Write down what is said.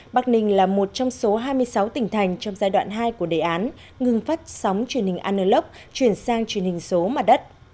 bắc ninh là một trong số hai mươi sáu tỉnh thành trong giai đoạn hai của đề án ngừng phát sóng truyền hình anerlov chuyển sang truyền hình số mặt đất